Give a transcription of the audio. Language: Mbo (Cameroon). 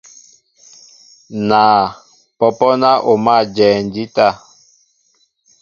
Naa , pɔ́pɔ́ ná o mǎl ajɛɛ jíta.